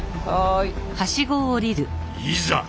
いざ！